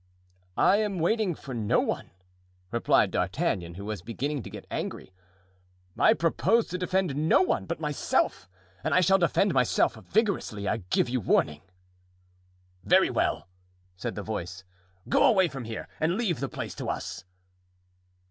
"I am waiting for no one," replied D'Artagnan, who was beginning to be angry. "I propose to defend no one but myself, and I shall defend myself vigorously, I give you warning." "Very well," said the voice; "go away from here and leave the place to us."